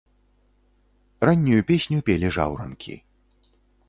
Раннюю песню пелі жаўранкі.